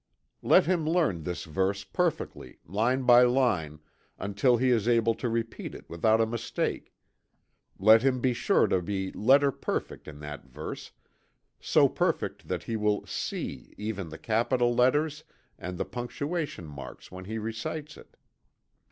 Let him learn this verse perfectly, line by line, until he is able to repeat it without a mistake. Let him be sure to be "letter perfect" in that verse so perfect that he will "see" even the capital letters and the punctuation marks when he recites it.